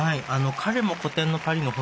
彼も古典の「パリの炎」